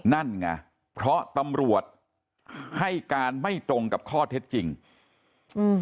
นั่นไงเพราะตำรวจให้การไม่ตรงกับข้อเท็จจริงอืม